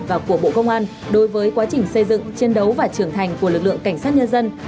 và của bộ công an đối với quá trình xây dựng chiến đấu và trưởng thành của lực lượng cảnh sát nhân dân